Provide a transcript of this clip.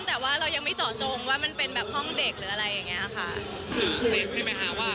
แต่ว่าเรายังไม่เจาะจงว่ามันเป็นแบบห้องเด็กหรืออะไรอย่างนี้ค่ะ